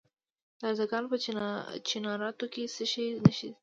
د ارزګان په چنارتو کې د څه شي نښې دي؟